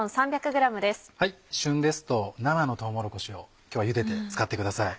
旬ですと生のとうもろこしを今日はゆでて使ってください。